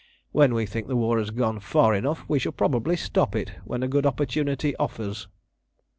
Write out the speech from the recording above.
When we think the war has gone far enough we shall probably stop it when a good opportunity offers."